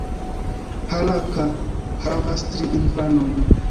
Harakka havas tri infanojn.